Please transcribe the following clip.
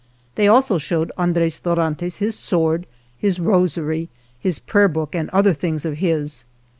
They also showed Andres Dor 87 THE JOURNEY OF antes his sword, his rosary, his prayer book and other things of his.